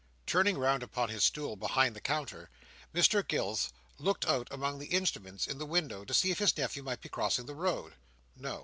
Turning round upon his stool behind the counter, Mr Gills looked out among the instruments in the window, to see if his nephew might be crossing the road. No.